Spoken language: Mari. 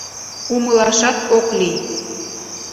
Умылашат ок лий.